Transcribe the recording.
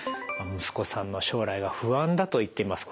息子さんの将来が不安だと言っています。